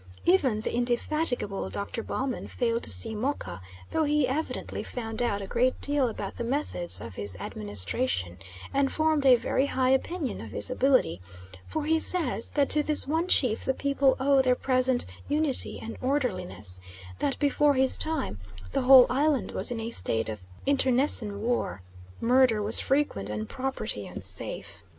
Even the indefatigable Dr. Baumann failed to see Moka, though he evidently found out a great deal about the methods of his administration and formed a very high opinion of his ability, for he says that to this one chief the people owe their present unity and orderliness; that before his time the whole island was in a state of internecine war: murder was frequent, and property unsafe.